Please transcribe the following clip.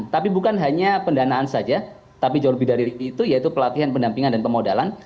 tapi bukan hanya pendanaan saja tapi jauh lebih dari itu yaitu pelatihan pendampingan dan pemodalan